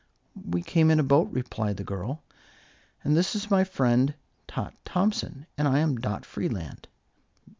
"We came in a boat," replied the girl; "and this is my friend, Tot Thompson, and I am Dot Freeland."